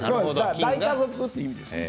大家族って意味ですね。